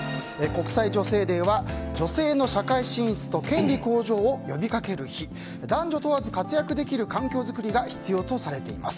国際女性デーは女性の社会進出と権利向上を呼び掛ける日男女問わず活躍できる環境作りが必要とされています。